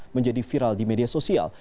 menjadi viral di media sosial